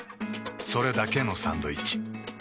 それだけのサンドイッチ。